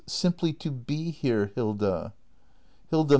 Simply to b e here, Hilda! Hilda.